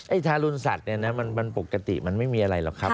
ทารุณสัตว์เนี่ยนะมันปกติมันไม่มีอะไรหรอกครับ